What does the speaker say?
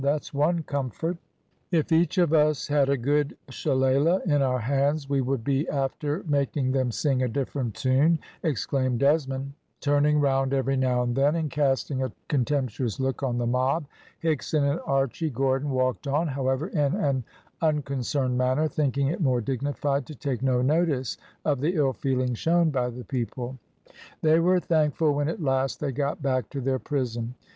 "That's one comfort." "If each of us had a good shillelah in our hands, we would be after making them sing a different tune," exclaimed Desmond, turning round every now and then, and casting a contemptuous look on the mob. Higson and Archy Gordon walked on, however, in an unconcerned manner, thinking it more dignified to take no notice of the ill feeling shown by the people. They were thankful when at last they got back to their prison.